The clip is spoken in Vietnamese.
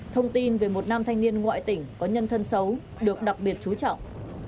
thông tin về một nam thanh niên ngoại tỉnh có nhân thân xấu được đặc biệt chú trọng